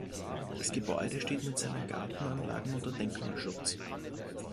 Das Gebäude steht mit seinen Gartenanlagen unter Denkmalschutz.